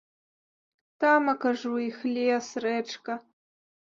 Тамака ж у іх лес, рэчка.